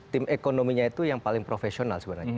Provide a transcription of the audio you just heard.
tim ekonominya itu yang paling profesional sebenarnya